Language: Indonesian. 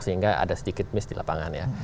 sehingga ada sedikit miss di lapangan ya